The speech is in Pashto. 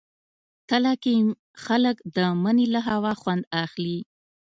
تله کې خلک د مني له هوا خوند اخلي.